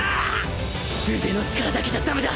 腕の力だけじゃ駄目だ。